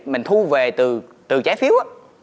mình thu về từ trái phiếu